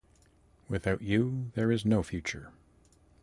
Without you there is no future.